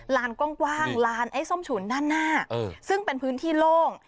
ลานกว้างลานไอ้ส้มฉุนด้านหน้าซึ่งเป็นพื้นที่โล่ง